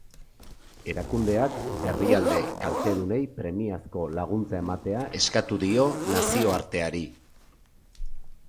Erakundeak herrialde kaltedunei premiazko laguntza ematea eskatu dio nazioarteari.